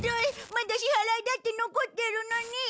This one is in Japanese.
まだ支払いだって残ってるのに。